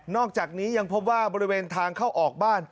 อกจากนี้ยังพบว่าบริเวณทางเข้าออกบ้าน